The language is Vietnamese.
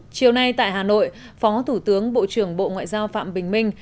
chiều nay tại hà nội phó thủ tướng bộ trưởng bộ ngoại giao phạm bình minh